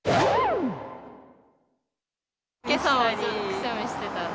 けさもくしゃみしてた。